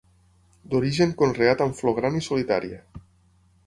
D'origen conreat amb flor gran i solitària.